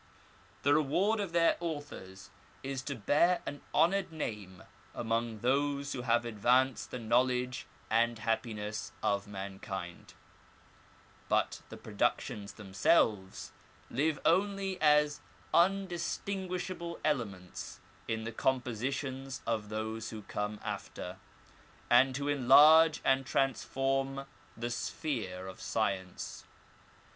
The reward of their authors is to bear an honoured name among those who have advanced the know ledge and happiness of mankind; but the productions them selves live only as undistinguishable elements in the composi tions of those who come after, and who enlarge and transform the sphere of science.